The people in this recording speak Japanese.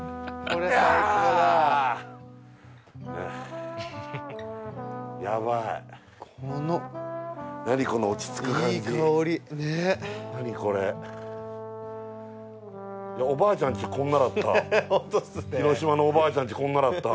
広島のおばあちゃん家こんなだった。